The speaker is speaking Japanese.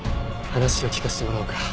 話を聞かせてもらおうか。